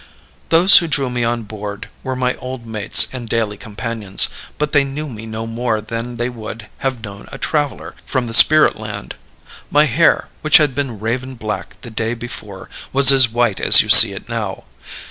"Those who drew me on board were my old mates and daily companions, but they knew me no more than they would have known a traveler from the spirit land. My hair, which had been raven black the day before, was as white as you see it now.